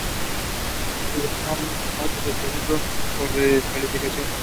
T ganó ambos combates, el segundo por descalificación.